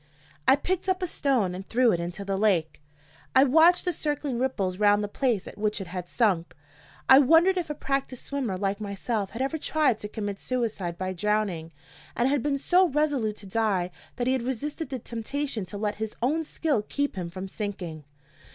I picked up a stone and threw it into the lake. I watched the circling ripples round the place at which it had sunk. I wondered if a practiced swimmer like myself had ever tried to commit suicide by drowning, and had been so resolute to die that he had resisted the temptation to let his own skill keep him from sinking.